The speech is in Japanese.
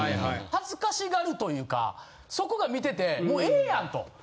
恥ずかしがるというかそこが見ててもうええやんと！